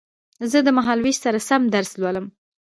زه د مهال وېش سره سم درس لولم